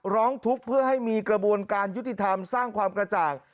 ร้องทุกข์เพื่อให้มีกระบวนการยุติธรรมสร้างความกระจ่าง